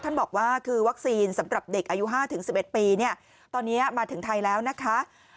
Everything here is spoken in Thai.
บอกว่าคือวัคซีนสำหรับเด็กอายุ๕๑๑ปีเนี่ยตอนนี้มาถึงไทยแล้วนะคะ